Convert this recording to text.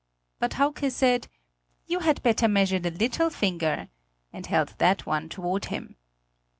But Hauke said: "You had better measure the little finger," and held that one toward him.